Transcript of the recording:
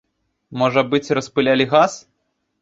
Можа быць, распылялі газ?